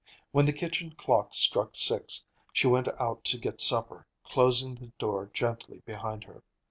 When the kitchen clock struck six she went out to get supper, closing the door gently behind her.